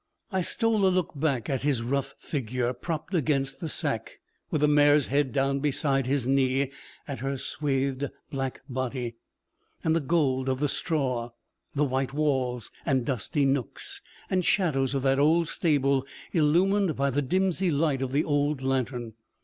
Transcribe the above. I stole a look back at his rough figure propped against the sack, with the mare's head down beside his knee, at her swathed black body, and the gold of the straw, the white walls, and dusky nooks and shadows of that old stable illumined by the dimsy light of the old lantern.